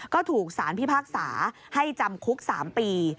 ก็ถูกสารพิพากษาให้จำคุก๓ปี